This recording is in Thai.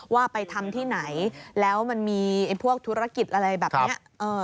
ว่าไปทำที่ไหนแล้วมันมีพวกธุรกิจอะไรแบบนี้